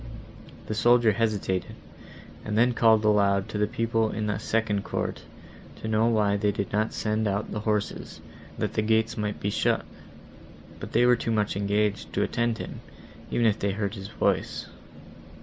The soldier hesitated, and then called aloud to the people in the second court, to know why they did not send out the horses, that the gates might be shut; but they were too much engaged, to attend to him, even if they had heard his voice.